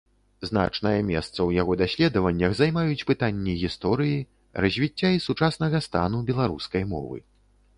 Значнае месца ў яго даследаваннях займаюць пытанні гісторыі развіцця і сучаснага стану беларускай мовы.